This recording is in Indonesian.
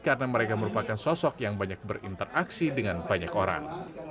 karena mereka merupakan sosok yang banyak berinteraksi dengan banyak orang